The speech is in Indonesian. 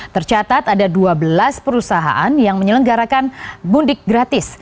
tercatat ada dua belas perusahaan yang menyelenggarakan mudik gratis